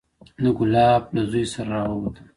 د ګلاب له زوى سره راووتم.